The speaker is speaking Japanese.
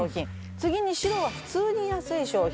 次に白は普通に安い商品。